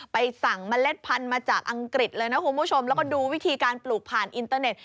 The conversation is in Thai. ไปสั่งเมล็ดพันธุ์มาจากอังกฤษแล้วก็ดูวิธีการปลูกผ่านอินเทอร์เน็ต